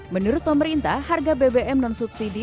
menurut pemerintah harga bbm non subsidi